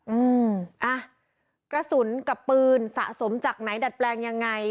อืมอ่ะกระสุนกับปืนสะสมจากไหนดัดแปลงยังไง